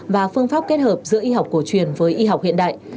và phương pháp kết hợp giữa y học cổ truyền với y học hiện đại